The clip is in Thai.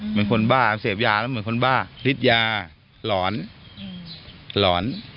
เหมือนคนบ้าเสพยาแล้วเหมือนคนบ้าพิษยาหลอนหลอน